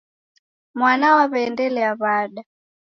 Mwana waw'eendelea wada?